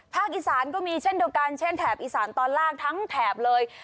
อีสานก็มีเช่นเดียวกันเช่นแถบอีสานตอนล่างทั้งแถบเลย